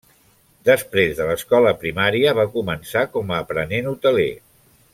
Després de l'escola primària va començar com a aprenent hoteler.